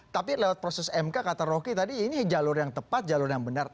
tapi lewat proses mk kata rocky tadi ini jalur yang tepat jalur yang benar